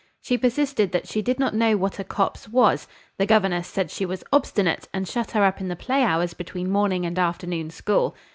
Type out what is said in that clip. She persisted that she did not know what a copse was: the governess said she was obstinate, and shut her up in the play hours between morning and afternoon school.